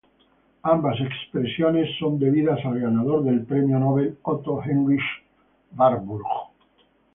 Ambas expresiones son debidas al ganador del premio Nobel Otto Heinrich Warburg.